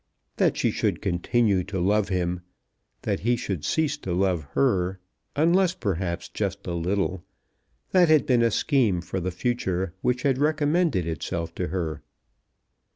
That she should continue to love him, and that he should cease to love her, unless, perhaps, just a little, that had been a scheme for the future which had recommended itself to her.